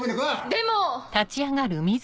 でも！